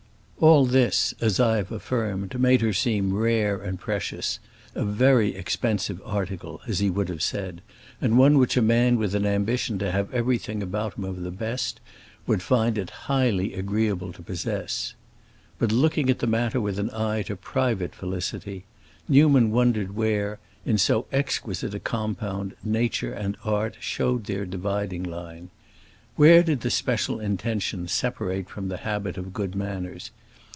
All this, as I have affirmed, made her seem rare and precious—a very expensive article, as he would have said, and one which a man with an ambition to have everything about him of the best would find it highly agreeable to possess. But looking at the matter with an eye to private felicity, Newman wondered where, in so exquisite a compound, nature and art showed their dividing line. Where did the special intention separate from the habit of good manners?